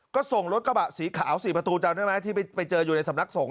ก็ส่งรถกระบะสีขาว๔ประตูจำได้ไหมที่ไปเจออยู่ในสำนักสงฆ